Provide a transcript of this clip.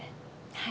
はい。